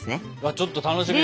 ちょっと楽しみだね。